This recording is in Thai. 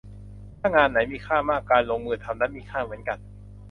ถ้างานไหนมีค่ามาก การลงมือทำนั้นมีค่าเหมือนกัน